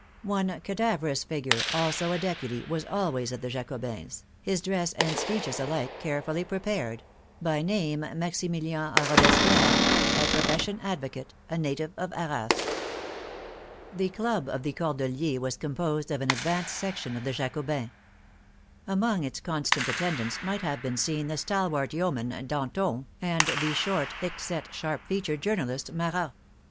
One cadaverous figure, also a deputy, was always at the Jacobins', his dress and speeches alike carefully prepared — by name Maximilian Robespierre, by profession advocate, a native of Arras. The club of the Cordeliers was composed of an ad vanced section of the Jacobins. Among its constant at tendants might have been seen the stalwart yeoman Dan ton, and the short, thick set, sharp featured journalist Marat.